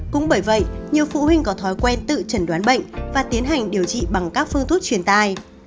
cũng bởi vậy nhiều phụ huynh có thói quen tự trần đoán bệnh và tiến hành điều trị bằng các phương thuốc truyền tai